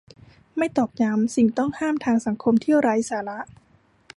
ไม่ตอกย้ำ สิ่งต้องห้ามทางสังคมที่ไร้สาระ